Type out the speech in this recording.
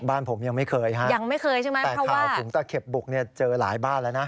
บ้านผมยังไม่เคยค่ะแต่ข่าวฝูงตะเข็บบุกเจอหลายบ้านแล้วนะ